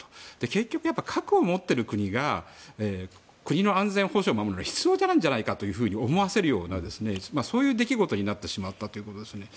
結局、核を持っている国が国の安全保障を守るのに必要なんじゃないかと思わせるようなそういう出来事になってしまったということですよね。